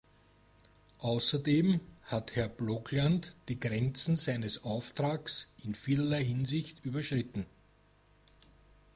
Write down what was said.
Außerdem hat Herr Blokland die Grenzen seines Auftrags in vielerlei Hinsicht überschritten.